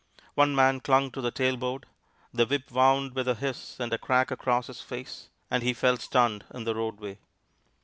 One man clung to the tailboard. The whip wound with a hiss and a crack across his face, and he fell stunned in the roadway.